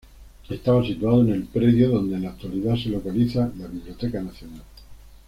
Estaba situado en el predio donde en la actualidad se localiza la Biblioteca Nacional.